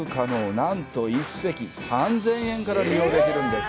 なんと１隻３０００円から利用できるんです！